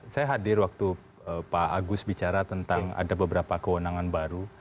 saya hadir waktu pak agus bicara tentang ada beberapa kewenangan baru